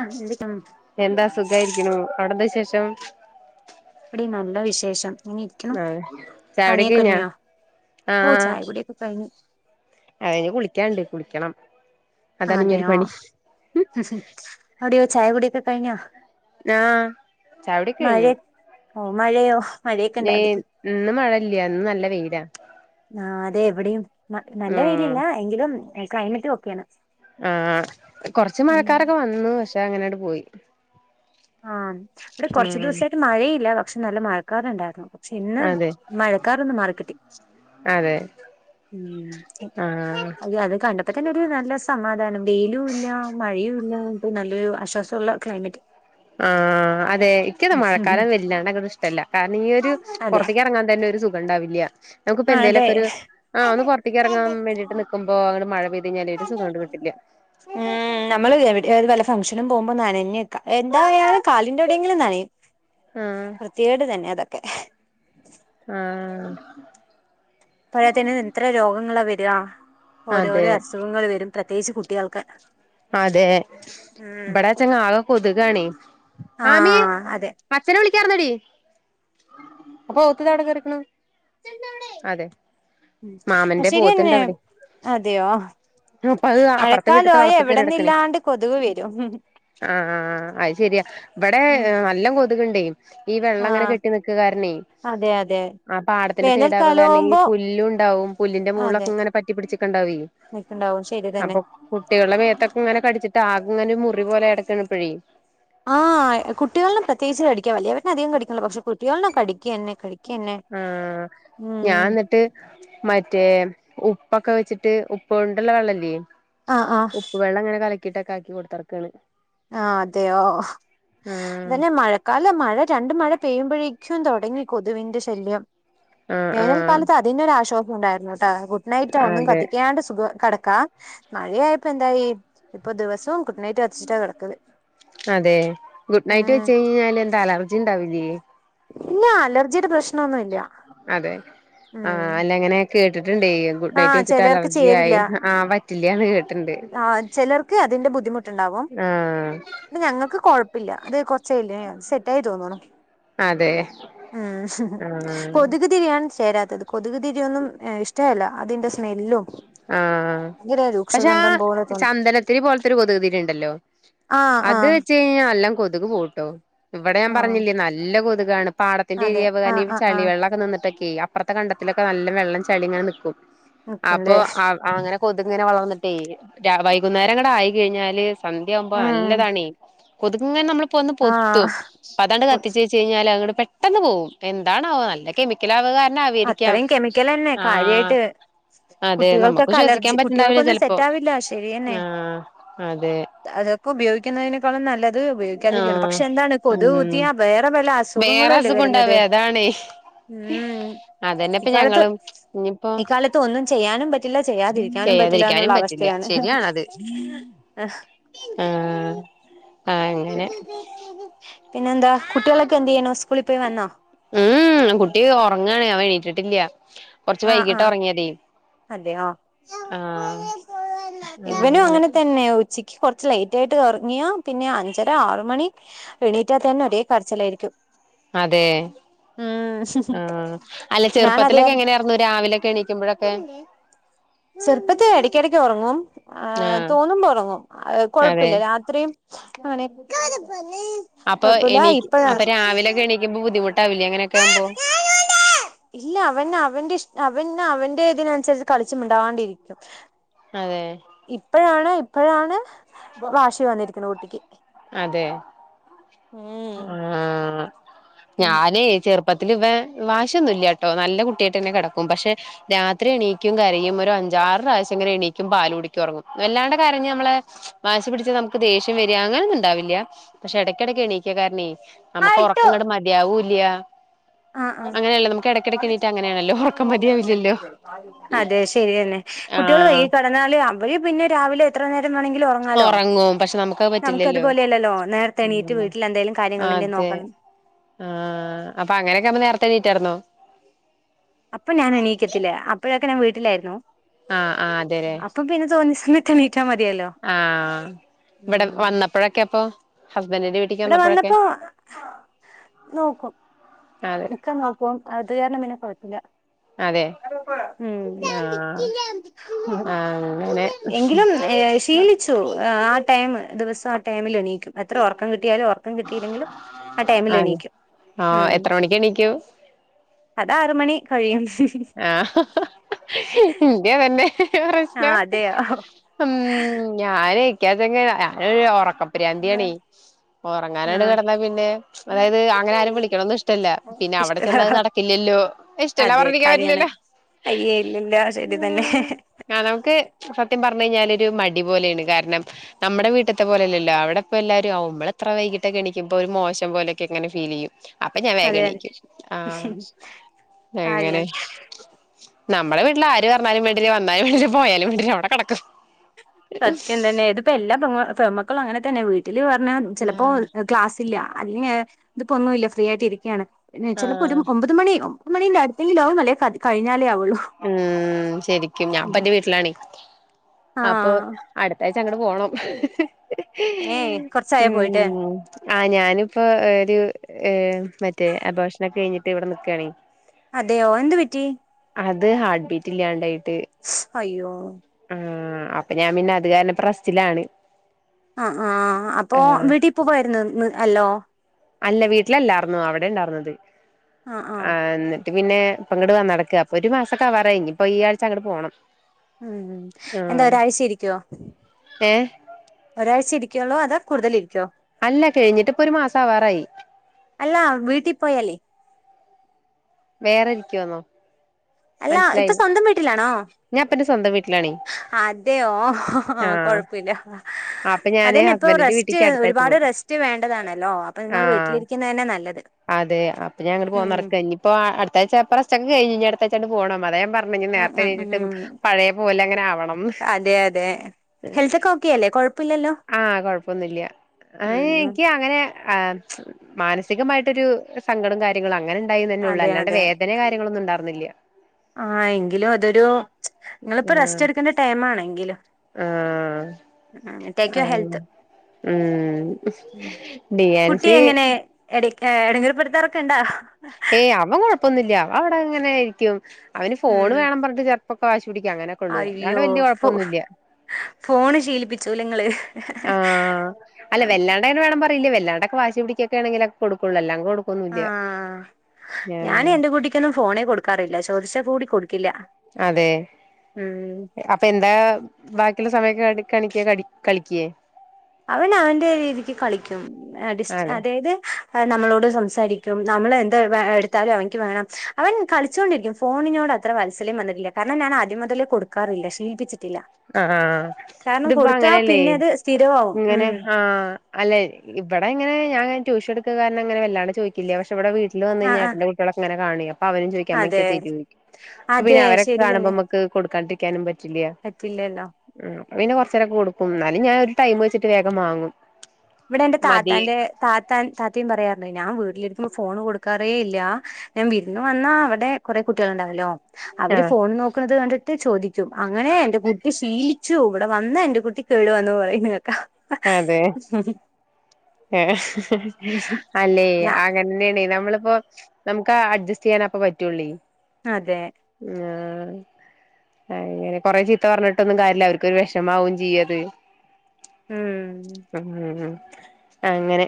ആഹ് എന്തൊക്കെ എന്താ സുഖായിരിക്കണ അവിടുത്ത ശേഷം ഇവടെ നല്ല വിശേഷം അണ ഇരിക്കണം ചായുടിയൊക്കെ പണിയൊക്കെ കഴിഞ്ഞാ ഇടങ്ങിയാ ഓ ചായപൊടിയൊക്കെ കഴിഞ് അ കുളിക്കാണ്ട് കുളിക്കണം അതാണ് ഇനി ഒരു അതെയോ പണി അവിടെയോ ചായ കുൊടിയൊക്കെ കഴിഞ്ഞോ ആ മഴ ചായടിക്കഴിഞ്ഞു ഓ മഴയോ മഴയൊക്കെ [unintelligible] ഇണ്ടോ അവിടേക്ക് ഇന്നന്ന് മഴ ഇല്ല ഇും നല്ല വെയിലാ ആ അതെ ഇവിടെയും ന നല്ല ആഹ് വെയിലില്ല എങ്കിലും ക്ലൈമറ്റ് ഒക്കെയാണ്. ആഹ് കൊറച്ച് ഉം മഴക്കാരൊക്കെ വന്ന് പക്ഷെ അങ്ങനെട്ട് പോയി. ആഹ് ഇവിടെ കൊറച്ച് ഉം ദിവസമാ യിട്ട് മഴയില്ല പക്ഷെ നല്ല മഴക്കാറ്ണ്ടായിരുന്നു. പിന്നെ അതെ മഴക്കാറൊന്ന് മാറിക്കിട്ടി. അതെ ഉ ആഹ് അ അത് കണ്ട പ്പൊ തന്നെ ഒരു നല്ല സമാധാനം വെയിലും ഇല്ല മഴയും ഇല്ല ഒരു നല്ലൊരു ആശ്വാസവുള്ള ക്ലൈമറ്റ്. ആ ആ അതെ ഇനിക്കത് മഴക്കാലം വല്ലാണ്ടങ്ങ് ഇഷ്ടവല്ല കാരണം ഈയൊരു അതെ പുറത്തേക്ക് ഇറങ്ങാൻ തന്നെ ഒരു സുഖം ഉണ്ടാവില്ല. നമുക്ക്പ്പോ ആ അതെ എന്തേലൊക്കെ ഒരു ആഹ് ഒന്ന് പുറത്തേക്ക് ഇറങ്ങാ വേണ്ടീട്ട് നിക്കുമ്പോ അങ്ങെട് മഴ പെയ്ത് കഴിഞ്ഞാല് ഒരു സുഖങ്ങട് [unintelligible] കിട്ടില്ല ഉ നമ്മള് എവിടെയാലും നല്ല സ് ഫംഗ്ഷനും പോകുമ്പോ നനഞ്ഞക്കെ എന്തായാലും കാലിന്റെവിടെയെങ്കിലും നനയും. ആഹ് വൃത്തിയേട് തന്നെ അതൊക്കെ ആഹ് പഴയത്ത് തന്നെ എത്ര രോഗങ്ങളാ വര്കാ അതെ ഓരോരോ അസുഖങ്ങൾ വരും. പ്രത്യേകിച്ച് കുട്ടികൾക്ക് അതെ ഉം ബ്ടാ ചങ്ങാകെ കൊതുകാണേ ആമീ ആഹ് അതെ പച്ചനൊളിക്ക് [unintelligible] ടി അപ്പൊ ഓത്ത് തെവിടെ കേറീക്കണ് [unintelligible] അതെ മ് മാമന്റെ പോത്ത്ണ്ട് ശരിന്നെ അവിടെ അതെയോ അത് അപ്പറത്തെ വീട്ടത്തെ മഴക്കാലമായ വളപ്പക്ക കിടക്കണ് എവിടെന്നില്ലാണ്ട് കൊതുക് വരും ആ അ അ അത് ശരിയാ ഇവിടെ ഉം നല്ല കു കൊതുകുണ്ടേ ഈ വെള്ളം ഇങ്ങനെ ആഹ് കെട്ടി നിക്ക്കാരണേ അതെ അതെ ആ പാടത്തിന്റെ സൈഡ് ആകു കാരണം ഈ വേനൽക്കാലാവുമ്പോ പുല്ല് ഉണ്ടാവും പുല്ലിന്റെ അതെ മുകളിലൊക്കെ ഇങ്ങനെ പറ്റി പിടിച്ചിക്കെണ്ടാവെ നിക്കുണ്ടാവും ശരി തന്നെ അപ്പൊ കുട്ടികളുടെ മേത്തൊക്കെ ഇങ്ങനെ കടിച്ചിട്ട് ആക് ഇങ്ങനെ മുറി പോലെ ഇടക്ക് പിഴിയു ആഹ് കുട്ടികളിനെ പ്രത്യേകിച്ച് കടിക്ക വലിയവരിനെ അധികം കടിക്കല്ല പക്ഷെ കുട്ടികളിനെ കടിക്ക ന്നെ കടി ആ ഞാൻ ന്നിട്ട് മറ്റേ ഉപ്പക്കെ വെച്ചിട്ട് ഉപ്പ് കൊണ്ടുള്ള വെള്ളല്ലേ ആഹ് ആഹ് ഉപ്പ് വെള്ളം ഇങ്ങനെ കല ക്കിട്ടാക്കാക്കി കൊടുത്തടക്കാണ് ആ അതെയോ ആഹ് തന്നെ മഴക്കാലം മഴ രണ്ട് മഴ പെയ്യുമ്പോഴേക്കും തുടങ്ങി കൊതുവിന്റെ ശല്യം ആഹ് ആഹ് വേനൽക്കാലത്ത് അതിന്റൊരാശ്വാ ഉണ്ടായിരുന്നൂട്ടോ ഗുഡ് നൈറ്റ് ഒന്നും അതെ കത്തിക്കാണ്ട് സുഖ ആ കട ക്കാ മഴയായപ്പോ എന്തായി ഇപ്പൊ ദിവസവും ഗുഡ്നൈറ്റ് കത്തിച്ചിട്ടാ കിടക്കത് അതെ ഗുഡ് നൈറ്റ് വെച്ച് കഴിഞ്ഞാല് എന്താ അലർജി ഉണ്ടാവില്ലേ ഇല്ല അലർജിയുടെ പ്രശ്നം ഒന്നും ഇ അതെ ആ അല്ല അങ്ങനെയക്കെ കേ ട്ടിണ്ടേ ഗുഡ് നൈറ്റ് ആഹ് വെച്ചിട്ട് ചിലർക്ക് അലർജി ആയി ആഹ് പറ്റില്ലാന്ന് കേ ആ ചിലർക്ക് അതിന്റെ ബുദ്ധിമുട്ടുണ്ടാവും ആഹ് ന്നെ ഞങ്ങൾക്ക് കൊഴ പ്പില്ല അത് കൊറച്ചായില്ലേ സെറ്റ് ആയി തോന്നോണം അതെ ഉം ആഹ് കൊതുക് തിരിയാണ് ചേരാ കൊതുക് തിരിയൊന്നും ഇഷ്ടവല്ല അതിന്റെ സ്മെല്ലും ആ ഭയങ്കര പക്ഷേ ആ രൂക്ഷഗന്ധം പോലെ തോന്നും ചന്ദനത്തിതിരി പോലത്തൊരു കൊതുകുതിരി ഉണ്ടല്ലോ ആഹ് അത് ആഹ് വെച്ച് കഴിഞ്ഞാൽ നല്ലാം കൊതുക് പോവൂട്ടോ ഇവിടെ ഞാൻ ആഹ് പറഞ്ഞില്ലേ നല്ല കൊതുകാണ് പാടത്തിന്റെ അതെ എരിയ ആവ ആഹ് തന്നെയും ആഹ് ചളി ആഹ് വെള്ളമക്കെ നിന്നിട്ടൊക്കെയും അപ്പുറത്തെ കണ്ടത്തിലൊക്കെ നല്ല വെള്ളം ചളിങ്ങെ നിൽക്കും ഒക്കവെ ഇപ്പൊ അ അങ്ങനെ കൊതു ഇങ്ങനെ വളർന്നിട്ടേ വൈകുന്നേരം അങ്ങടെ ആയി കഴിഞ്ഞാല് സന്ധ്യയാവുമ്പോ ഉം നല്ലതാണേ കൊതുകിങ്ങനെ നമ്മളെ ഇപ്പ ഒന്ന് പൊത്തും ആഹ് പ അതാണ്ട് കത്തിച്ച് വെച്ച് കഴിഞ്ഞാൽ അങ്ങട് പെട്ടെന്ന് പോകും എന്താണോ നല്ല കെമിക്കൽകാൻ അത്രയും കെമിക്കലന്നെ കാര്യായിട്ട് അതെ നമുക്ക് കുട്ടികൾക്കൊക്കെ അലർജി ശ്വസിക്കാൻ പറ്റ്ണ്ടാവില്ല കുട്ടികൾക്കൊന്നും ചെലപ്പോ സെറ്റ് ആവില്ല ശരിയന്നെ ആഹ് അതെ അതൊെ ഉപയോഗുന്നതി നെക്കാളും നല്ല അത് ഉപയോഗിക്കാതിരിക്കുകയാണ് ആഹ് പക്ഷെ എന്താണ് കൊതു കുത്തി ഉം വേറെ വല വേറെ അസുഖങ്ങളുംല്ലേ അസുഖം വരുന്നത് ഉണ്ടാവേ അതാണേ ഉം അതന്നെ ഇപ്പ ഇക്കാലത്ത് ഞങ്ങളും ഇനിയിപ്പോ ഇക്കാലത്ത് ഒന്നും ചെയ്യാനും പറ്റില്ല ചെയ്യാതിരിക്കാനും പറ്റില്ല ചെയ്യാതിരിക്കാനും എന്നുള്ള പറ്റില്ല അവസ്ഥയാണ് ശരിയാണത് ആ ആഹ് [unintelligible] ആഹ് അങ്ങനെ പിന്നെന്താ കുട്ടികളൊക്കെ എന്ത് ചെയ്യാണു ഉം കുട്ടി ഉറങ്ങാണ് എണീട്ടില്ല കൊറച്ച് ആഹ് വൈകിട്ട് ആഹ് ഉറങ്ങിയതെ അതെയോ ആ ഇവനും അങ്ങനെ തന്നെയ ഉച്ചിക്ക് കുറച്ച് ലേറ്റ് ആയിട്ട് ഇറങ്ങിയാ പിന്നെ അഞ്ചര ആറ മണി എണീറ്റാ തന്നെ ഒരേ കരച്ചിലായിരിക്കും അതെ ആ ഉം അല്ല ഞാനത് ചെറുപ്പത്തിലൊക്കെ എങ്ങനെയാർന്നു രാവിലെയൊക്കെ എണിക്കുമ്പോഴൊക്കെ ചെറുപ്പത്തി ഇടയ്ക്കിടക്ക് ഉറങ്ങും ആ ആഹ് തോന്നുമ്പോ ഉറങ്ങും അതെ കൊഴപ്പില്ല രാത്രിയും ആണ [unintelligible] അപ്പൊ എണീ അപ്പൊ രാവിലൊക്കെ എണീക്കുമ്പോ ബുദ്ധിമുട്ടാവില്ലേ അങ്ങനെയൊക്കെ ആകുമ്പോ ഇല്ല അവൻ അവന്റെ ഇഷ അവൻ അവന്റെ ഇതിനനുസരിച്ച് കളി ച്ചു മിണ്ടാണ്ട് ഇരിക്കും അതെ ഇപ്പോഴാണ് ഇപ്പഴാണ് വാഷി വന്നിരിക്കുന്നത് കുട്ടിക്ക് അതെ ആ ഉം ഞാനേ ചെറപ്പ ഇപ്പ ഇ വാശൊന്നുമല്ല കേട്ടോ നല്ല കുട്ടിയായിട്ട ന്നെ കിടക്കും പക്ഷെ രാത്രി എണീക്കും കരയും ഒരു അഞ്ചാറ് പ്രാവശ്യ ഇങ്ങന എണക്കും പാലുകുടിക്കുംറങ്ങും വല്ലാണ്ട കാര ഞ്ഞ് നമ്മെ വാശി പിടച്ച് നമക്ക് ദേഷ്യം വരിക അങ്ങനെ ണ്ടാവില്ല പക്ഷെ ഇടക്കിടക്ക് എണീക്ക കാരണേ നമുക്ക് ഉറക്കങ്ങട്ട് മതിയാവൂല്ല്യാ ആ ആ ഇട കിടിക്കിട്ട അങ്ങനാണ് അതെ ശരിതന്നെ കുട്ടികൾ ആഹ് വൈക കടന്നാല അവഴ പിന്നെ രാവിലെ എത്ര നേരം [unintelligible] ഉറങ്ങാലോ ഉറങ്ങും പക്ഷെ നമുക്കത് പറ്റില്ലല്ലോ നമക്കത്പലെയല്ലല്ലോ നേരത്തെ എണീട്ട് ഉം വീട്ടിൽ എന്തങ്കലും കാര്യങ്ങളണ്ടെ നോ [unintelligible] ആ അപ്പൊ അങ്ങനൊക്കെ നേരത്തെണീറ്റിടുന്നു അപ്പൊ ഞാൻ എണീക്കത്തില്ല അപ്പോഴൊക്കെ ഞാൻ വീട്ടിലായിരുന്നു ആ ആ അതെരെ അപ്പൊ പിന്നെ തോന്നിയ സമയത്ത് എണീറ്റാ മതിയല്ലോ ആ ഇവിടെ ഉം വന്നപ്പോഴൊക്കെ എപ്പൊ ഇവിടെ വന്നപ്പോ നോക്കും അതെ ഒക്കെ നോക്കും അത് കാരണം പിന്നെ കുഴപ്പമില്ല അതെ ആഹ് ആഹ് അങ്ങനെ [unintelligible] എങ്കിലും ശീലിച്ചു ആ ടൈം ദിവസം ആ ടമിൽ എണീക്കും അത്ര ഒറക്കം കിട്ടിയാലും ഉറക്കം കിട്ടിയില്ലെങ്കിലും ആ ടൈമിൽ ആഹ് എണീക്കും ആഹ് ഉം എത്ര [unintelligible] അത് ആറ മണി കഴിയും ആ ഇന്ത് തന്നെ ആ അതെയോ [unintelligible] ഞാനക്ക ഞ ഉറ [unintelligible] ഉറങ്ങാനായിട് ആഹ് കിടന്നാ പിന്നെ അതായത് അങ്ങനെ ആരും വിളിക്കണൊന്നും ഇഷ്ടമല്ല പിന്നെ ഇഷ്ട അവിടെ ചെന്നാ നടക്കില്ലല്ലോ ഇഷ്ടല്ല അതെ പറഞിട്ട് കാര്യ കാര്യാണ് ഇല്ലല്ലോ അയ്യേ ഇല്ലില്ല ശരി തന്നെ [unintelligible] നമക്ക് സത്യം പറ കഴിഞ്ഞൽ ഒരു മടി പോലെയാണ് കാരണം നമ്മ വീട്ടത്തെ പോലെയല്ലല്ലോ അവിടെപ്പ എല്ലാരും വടെ എത്ര വൈകിട്ട് ണിക്കുമ്പോ ഒരു മോശം പോലൊക്കെങ്ങനെ ഫീൽ ചെയ്യും അപ്പൊ ഞാ അതെ അതെ വേഗണീക്കും ആ അങ്ങനെ കാര്യാണ് നമ്മടെ വീട്ടില് ആര് പറഞ്ഞാലും വേണ്ടില്ല വന്നാലും വേണ്ടില്ല പോയാലും വേണ്ടില്ല അവിടെ കെടക്കും സത്യം തന്നെ ഇതിപ്പോ എല്ലാ പെൺമ പെണ്മക്കളും അങ്ങനെ തന്നെ വീ ല് പറഞ്ഞ ആ ചെലപ്പോ ക്ലാസ് ഇല്ല [unintelligible] ഇതിപ്പോഒന്നുംല്ല ഫ്രീ ആയിട്ട് ഇരിക്കാണ് ആ നിചെലപ്പോ ഒരു ഒമ്പത് മണി ഒമ്പത് മണിന്റെ അടുത്തെങ്കിലും ആവും അല്ലെങ്കി കതി കഴിഞ്ഞാലേ ആകു ഉം ശരിക്കും ഞാപ്പന്റെ വീട്ടിലാണെ അപ്പൊ ആഹ് അടുത്തഴ് കആങ്ങട്ട് പോണം ഏ ഹിഹ്ഹ് കൊറച്ചായോ പോയിട്ട് ഉം ആഹ് ഞാനിപ്പോ ഒരു ഏ മറ്റേ അപോർഷനൊക്കെ കഴിഞ്ഞിട്ട് ഇവിടെ നിക്കാണെ അതെയോ എന്ത് പറ്റി അത് ഹാർട്ട് ബീറ്റ് ഇല്ലാണ്ടായി സ് അയ്യോ അപ്പൊ ഞാൻ പിന്നെ അത് കാരണം പ്പ റസ്റ്റ്‌ലാണ് ആ ആഹ അപ്പൊ വീട്ടിപ്പൊ വരുന്ന് ന്ന്ന് അല്ലോ അല്ല വീട്ടിലല്ലായിർന്നു അവിടെ ഇണ്ടായിർന്നത് ആഹ് ആ ആഹ് പിന്നെ ഇപ്പോ ഇങ്ങട്ട് വന്ന നടക്ക ഇപ്പൊ ഒരു മാസൊക്കെ അവാറായി ഇഞ്ഞി ഇപ്പൊ ഈ ആഴ്ച അങ്ങട്ട പോണം ഉം ആ എന്താ ഒരാഴ്ച ഇരിക്കോ ഏ ഒരാഴ്ചിരി ക്യാള്ളോ അതോ കൂടുതലിരിക്കോ അല്ല കഴിഞ്ഞിട്ട് ഇപ്പൊ ഒരു മാസം ആവാറായി അല്ല വീട്ടിപോയാലെ വേറെ ഇരിക്കൊന്നോ അല്ല ഇപ്പൊ സ്വന്തം വീട്ടിലാണോ ഞാൻ ഇപ്പ എന്റെ സ്വന്തം വീട്ടിലാണേ അതെയോ ഓഹ്ഹ് ആ കൊഴപ്പില്ല അപ്പൊ ഞാന് അതന്നെ ഇപ്പൊ ഹസ്ബൻഡിന്റെ റെസ്റ്റ് വീട്ടിക്ക് അടുത്താഴ്ച ഒരുപാട് പോവും റെസ്റ്റ് വേണ്ടതാണല്ലോ അപ്പൊ ആ ഇങ്ങൾ വീട്ടിലിരിക്കുന്നന്നെ നല്ലത് അതെ അപ്പ ഞാ അങ്ങട്ട് ഉം പോന്നടക്ക ഇനിയിപ്പോ അട്ത്താഴ്ച്ച ഇപ്പ റസ്റ്റൊക്കെ കഴിഞ് ഇനി അടുതാഴ്ചങ്ങട്ട് പോണം അതാ ഞാൻ പറഞ് ഇനി ഉം ഉം നേർത്തെ ഉം പഴയ പോലെ അങ്ങനെ ആവണംന്ന് അതെ അതെ ഹെൽത്ത് ഒക്കെ ഓക്കെ അല്ലേ കൊഴപ്പില്ലല്ലോ ആഹ കൊഴപ്പൊന്നുല്ല അയ് ഉം ഇൻക്ക് അങ്ങനെ ആ മ്ച്ചും മാനസികമായിട്ടൊരു സങ്കടം കാര്യങ്ങളും അങ്ങനെ ണ്ടായിന്നൊള്ളൂ അതെ അല്ലാണ്ട് അതെ വേദന കാര്യങ്ങളൊന്നുംണ്ടായിർന്നില്ല ആ എങ്കിലും അതൊരു മ്ച്ചും നിങ്ങളിപ്പോ റസ്റ്റ് എടുക്കേണ്ട ടൈം ആണ് എങ്കിലും ആഹ ആ ഹെൽത്ത് ഉം [unintelligible] ഡി എ ൻ സി എ [unintelligible] ക്കെണ്ടാ ഏയ് അവൻ കുഴപ്പൊന്നുല്ല അവന് അവിടെ അങ്ങനെയിരിക്കും അവന് ഫോണ് ഉം വേണം പറഞ്ഞിട്ട് ചെലപ്പോക്കെ വാശി ടിക്ക അങ്ങനൊക്കൊള്ളൂ അല്ലാണ്ട് അയ്യോ ഫോ വല്യകൊഴപ്പൊന്നുല്ല ഫോണ് ശീലിപ്പിച്ചു നിങ്ങള് ആഹ് അല്ല വല്ലാണ്ട അത് വേണം പറയില്ല വെല്ലാണ്ടൊക്കെ വാശി പിടിക്കൊക്കെ ആണെങ്കിലെ കൊടുക്കുള്ളൂ അല്ലാം ആഹ ആഹ് ഞാന് എന്റെ കൂട്ടിക്കൊന്നും ഫോണേ കൊടുക്കാറില്ല ചോദിച്ച കൂടി കൊടുക്കില്ല അതെ ഉം അപ്പൊ എന്താ ബാക്കിയുള്ള സമയൊക്കെ കണിക കളിക്കേ അവൻ അവന്റെ രീതിക്ക് കളിക്കും ഡിസ് അതെ അതായത് നമ്മളോട് സംസാരി കും നമ്മള് എന്ത് വെ എടുത്താലും അവന്ക്ക് വേണം അവൻ കളിച്ചോണ്ടിരിക്കും ഫോണിനോട് അത്ര വാത്സല്യം വന്നിട്ടില്ല ണം ഞാനാദ്യം മുതലേ കൊടുക്കാറില്ല ശീലിപ്പിച്ചി ല്ല ആഹ് ആഹ് കാരണം ഇതിപ്പോ കൊടുത്താ അങ്ങനെയല്ലേ പിന്നെ അത് സ്ഥിരവാവും ഇങ്ങനെ ആ അല്ലെ ഇവിടെ ഇങ്ങനെ ഞാൻ ട്യൂഷൻ എടുക്കുക കാരണം അങ്ങനെ വല്ലാണ്ട് ചോയിക്കില്ല പക്ഷെ ഇവിടെ വീട്ടിൽ ആഹ് വന്നാഴിഞ്ഞാ ആഹ് ഏട്ടന്റെ കുട്ടികളോക്കെങ്ങനെ കാണി പ്പ അവനും ചോയിക്കും അമ്മന്ക്ക് അതെ തരൊയ്ക്കും പിന്നെ അതെ അവരൊക്കെ ശരി കാണുമ്പോ തന്നെ മ്മക്ക് കൊടുക്കാണ്ടിരിക്കാനും പ പറ്റില്ല [unintelligible] പ്പപിന്നെ കൊറച്ചേരൊക്കെ കൊടുക്കും എന്നാലും ഞാ ഒരു ടൈം വെച്ചിട്ട് വേഗം വാങ്ങും ഇവിടെ എന്റെ മതി താത്താന്റെ താത്ത താത്തയും പറയാറുണ്ട് ഞാൻ വീ ലിരിക്കുമ്പോ ഫോൺ കൊടുക്കാറേ ഇല്ല ഞാൻ വിരുന്ന് വന്നാ അവിടെ കൊറേ കുട്ട്യാൾ ഉണ്ടാവല്ലോ അവര് ആഹ് ഫോണ് നോക്കുന്നത് കണ്ട് ചോദിക്കും അങ്ങനെ എന്റെ കുട്ടി ശീലിച്ചു ഇവിടെ വന്ന് എന്റെ കുട്ടി കേടുുവന്ന് പറയുന്നു കേക്കാ അ അതെ അല്ലേ ഞാ ആകന്നെണ നമ്മളിപ്പോ നമുക്ക് അഡ്ജസ്റ്റ് ചെയ്യാൻ അപ്പ പറ്റുള്ളേ അതെ ഉഹ അ ആങ്ങനെ കൊറെ ചീത്ത പറഞ്ഞിട്ടൊന്നും കാര്യല്ല അവർക്കൊരു വിഷമാവും ചെയ്യത് ഹം ഉം അങ്ങനെ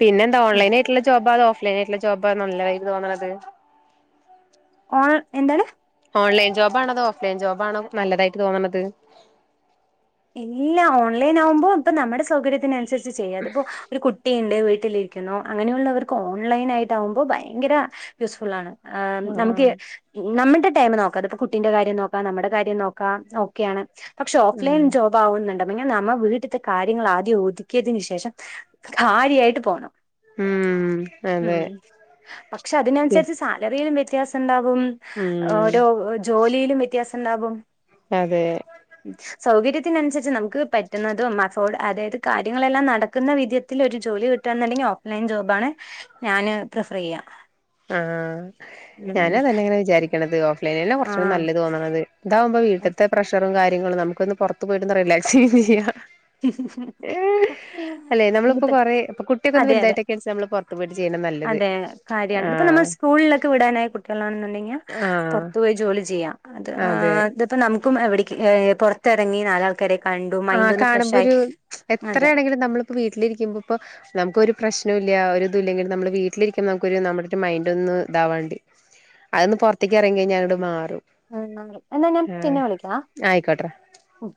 പിന്നെ എന്താ ഓൺലൈൻ ആയിട്ടുള്ള ജോബ് ഓഫ ഫ്‌ലൈൻ ആട്ടുള്ള ജോബ് ആണോ നല്ലതായിട്ട് തോന്നുന്നേ ഓ എന്താണ് ഓൺലൈൻ ജോബ്ണതോ ഓഫ് ലൈൻ ജോബ്ണോ നല്ലതായിട്ട് തോന്നണുന്നത് എല്ലാ ഓൺലൈൻ ആകുമ്പോ ഇപ്പ നമ്മുടെ സൗകര്യത്തിനനുസരിച്ച് ചെയ്യും അതിപ്പോൊ ഒരു കുട്ടിയുണ്ട് വീട്ട വീട്ടിലിരിക്കുന്നു അങ്ങനെയുള്ളവർക്ക് ഓൺലൈൻ ആയിട്ട ആകുമ്പോൾ ഭയങ്കര യൂസ്ഫുൾ ആണ് ആഹ് നമുക്ക് നമ്മുടെ ടൈം നോക്കാം അപ്പ കുട്ടിന്റെ കാര്യം നോക്കാം നമ്മ കാര്യം നോക്കാം ഓക്കെയാണ് പ്ലാൻ ആഹ് ജോബാവുന്നുണ്ട് പിന്നെ നമ്മ ൾവീട്ടിലത്തെ കാര്യങ്ങൾ ആദ്യം ഒതുക്കിയതിനന് ശേഷം കാര്യായിട്ട് പോണം ഉം ഉ അതെ പക്ഷെ അതിനനുസരിച്ച് സാലറിയിലും വ്യത്യാസം ഉണ്ടാവും ഉം ഉം ഓരോ ജോലിയിലും വ്യത്യാസം ഉണ്ടാാവും അതെ സൗകര്യത്തിനനുസരിച്ച് നമുക്ക് പറ്റുന്നതും അഫോർഡ് അതായത് കാര്യങ്ങളെല്ലാം നടക്കുന്ന വിധത്തിൽ ഒരു ജോലി പറ്റുമെന്നുണ്ടങ്കിൽ ഓഫ്‌ലൈൻ ജോബ്ണ് ഞാന് പ്രീഫറയ്യാ ആഹ ഞാനാ തന്നെ അങ്ങനെ വിചാരിക്കണത് ഓഫ് ലൈന കുറച്ചൂ ആഹ് നല്ലത് തോന്നണത് എന്താവുമ്പോ വീട്ടത്തെ പ്രഷറും കാര്യങ്ങളും നമുൊന്ന് പുറത്ത് പോയിട്ടൊന്ന് റിലാക്സും ചെയ്യാം ഉ അല്ലെ നമ്മളിപ്പോൊ കൊറെേ ഇപ്പൊ കുട്ടിക കൊക്കെഒന്ന് അതെ അതെ വലുതായിട്ടൊക്കെ നമ്മള് പുറത്തു പോയിട്ട് ചെയ്യണത നല്ലത്. ഇത് ഇപ്പം നമ്മൾ ആഹ് സ്കൂൾ വിടാൻ ആയ കുട്ടികൾ ആണ് എന്നുണ്ടങ്കിൽ ആഹ് പുറത്ത് പോയി ജോലി ചെയ്യാം അതെ ഇതിപ്പോ നമുക്കും എവിട പുറത്തിറങ്ങി നാലാൾക്കാരെ കണ്ടും മൈൻഡ് ഒന്ന്നു ഒര് എത്രയാണെങ്കിലും നമ്മളിപ്പോ വീട്ടിലിരിക്കുമ്പോ ഇപ്പോ നമുക്കൊരു പ്രശ്നം ഇല്ല ഒരിതുമില്ല ഇല്ലെങ്കിൽ നമ്മള് വീട്ടിലിരിക്കുമ്പോ നമുക്കൊരു നമ്മുടെ ഒരു മൈൻഡ് ഒന്നു ഇതാവാണ്ടണ്ട് അതൊന്ന് പുറത്തേക്ക് ഇറങ്ങി കഴിഞ്ഞ മാറും ഉ എന്നാ ഞാൻ പിന്നെ ആഹ് വിളിക്കാ ആയിക്കോട്ടെ മ്മ്